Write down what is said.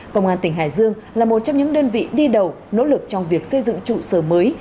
công an tỉnh hải dương là một trong những đơn vị đi đầu nỗ lực trong việc xây dựng trụ sở mới